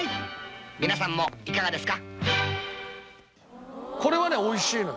皆さんもいかがですか？